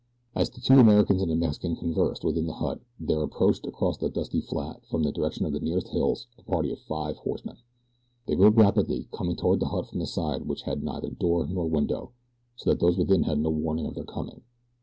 As the two Americans and the Mexican conversed within the hut there approached across the dusty flat, from the direction of the nearer hills, a party of five horsemen. They rode rapidly, coming toward the hut from the side which had neither door nor window, so that those within had no warning of their coming.